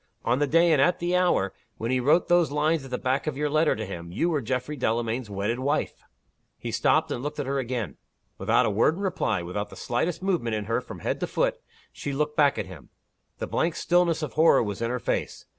On the day, and at the hour, when he wrote those lines at the back of your letter to him, you were Geoffrey Delamayn's wedded wife!" He stopped, and looked at her again. Without a word in reply, without the slightest movement in her from head to foot, she looked back at him. The blank stillness of horror was in her face.